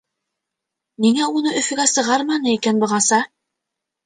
Ниңә уны Өфөгә сығарманы икән бығаса?